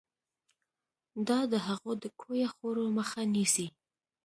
دا د هغو د کویه خوړو مخه نیسي.